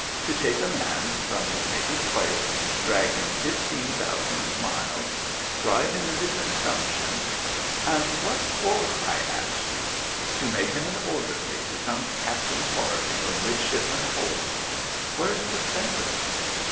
"To take a man from his native place, drag him fifteen thousand miles, drive him into consumption ... and what for? I ask you. To make him an orderly to some Captain Farthing or Midshipman Hole! Where's the sense of it?"